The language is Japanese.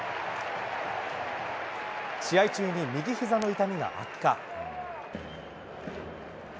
試合中に右ひざの痛みが悪化。